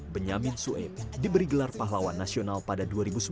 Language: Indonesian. benjamin sueb diberi gelar pahlawan nasional pada dua ribu sebelas